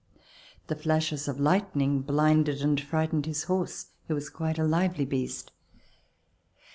The flashes of lightning blinded and frightened his horse who was quite a lively beast.